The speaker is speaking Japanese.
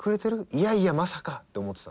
いやいやまさかって思ってた。